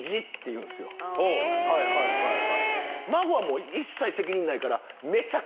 孫は一切責任ないから。